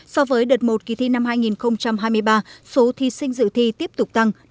so với đợt một kỳ thi năm hai nghìn hai mươi ba số thí sinh dự thi tiếp tục tăng